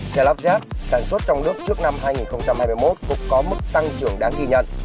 xe lắp ráp sản xuất trong nước trước năm hai nghìn hai mươi một cũng có mức tăng trưởng đáng ghi nhận